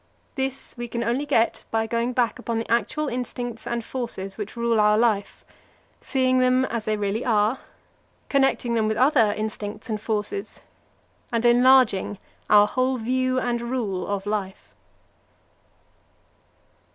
This we can only get by going back upon the actual instincts and forces which rule our life, seeing them as they really are, connecting them with other instincts and forces, and enlarging our whole view and rule of life.